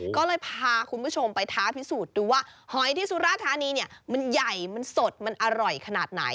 ก็เลยพาคุณผู้ชมไปท้าพิสูจน์ดูว่าหอยที่สุราธานีเนี่ยมันใหญ่มันสดมันอร่อยขนาดไหน